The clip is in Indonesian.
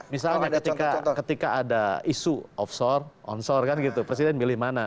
misalnya ketika ada isu offshore onsor kan gitu presiden milih mana